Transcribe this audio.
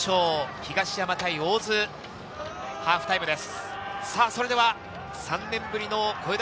東山対大津、ハーフタイムです。